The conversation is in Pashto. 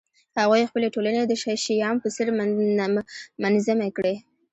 هغوی خپلې ټولنې د شیام په څېر منظمې کړې